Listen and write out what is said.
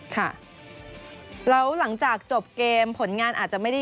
ค่ะแล้วหลังจากจบเกมผลงานอาจจะไม่ได้